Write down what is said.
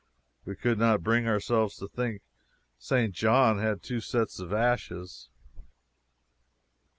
We could not bring ourselves to think St. John had two sets of ashes.